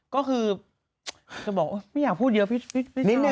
ก็คือจะบอกว่าไม่อยากพูดเยอะพี่นิดเลย